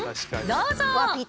どうぞ！